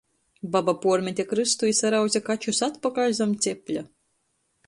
Baba puormete krystu i sarause kačus atpakaļ zam cepļa.